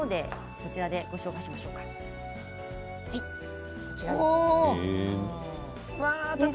こちらですね。